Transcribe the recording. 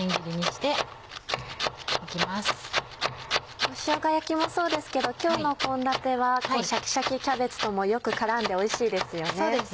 しょうが焼きもそうですけど今日の献立はシャキシャキキャベツともよく絡んでおいしいですよね。